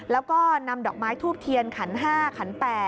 แล้วก็นำดอกไม้ทูบเทียนขัน๕ขัน๘